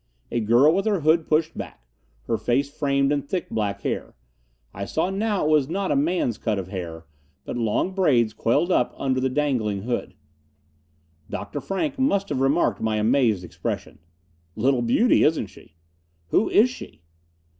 A girl with her hood pushed back; her face framed in thick black hair. I saw now it was not a man's cut of hair; but long braids coiled up under the dangling hood. Dr. Frank must have remarked my amazed expression. "Little beauty, isn't she?" "Who is she?"